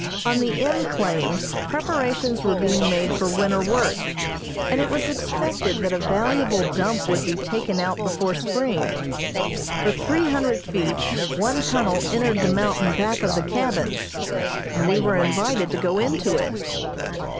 On the M. claim preparations were being made for winter work, and it was expected that a valuable dump would be taken out before spring. For three hundred feet one tunnel entered the mountain back of the cabins, and we were invited to go into it.